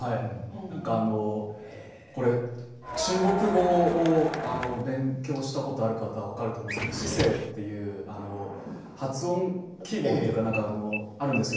中国語を勉強したことがある方分かると思うんですが四声でという発音記号があるんですよ。